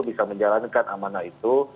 bisa menjalankan amanah itu